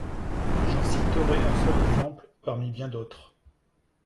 J’en citerai un seul exemple, parmi bien d’autres.